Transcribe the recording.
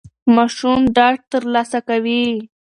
ماشوم ډاډ ترلاسه کوي.